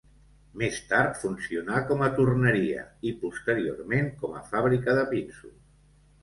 Més tard funcionà com a torneria i posteriorment com a fàbrica de pinsos.